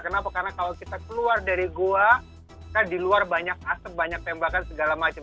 kenapa karena kalau kita keluar dari goa kita di luar banyak asap banyak tembakan segala macam